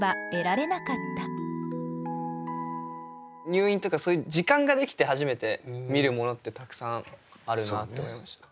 入院とかそういう時間ができて初めて見るものってたくさんあるなって思いました。